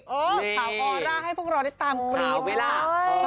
เออข่าวออร่าให้พวกเราได้ตามคลิปน้องเวลา